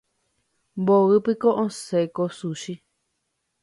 Mboýpiko osẽ ko sushi.